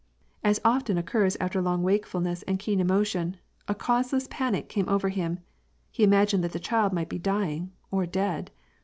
As often occurs after long wakefulness and keen emotion, a causeless panic came over him; he imagined that the child might be dying, or dead.